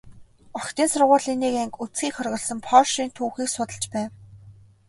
Охидын сургуулийн нэг анги үзэхийг хориглосон польшийн түүхийг судалж байв.